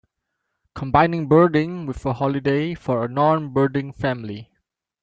Combining birding with a holiday for a non-birding family.